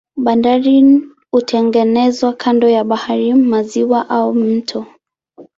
Bandari hutengenezwa kando ya bahari, maziwa au mito.